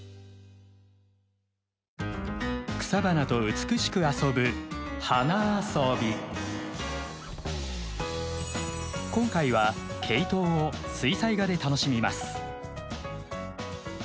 草花と美しく遊ぶ今回はケイトウを水彩画で楽しみます。